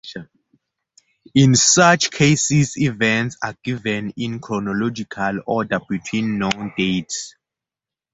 In such cases events are given in chronological order between known dates.